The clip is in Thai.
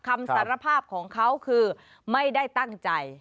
คำสารภาพของเขาคือไม่ได้ตั้งใจ